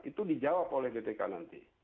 itu dijawab oleh bpk nanti